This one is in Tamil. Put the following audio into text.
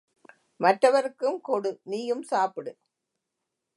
மற்றவருக்கும் கொடு நீயும் சாப்பிடு.